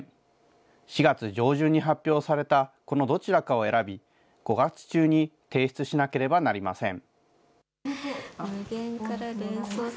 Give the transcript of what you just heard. ４月上旬に発表されたこのどちらかを選び、５月中に提出しなければなりません。